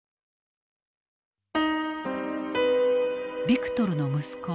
ビクトルの息子